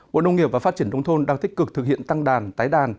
bộ nông nghiệp và phát triển nông thôn đang tích cực thực hiện tăng đàn tái đàn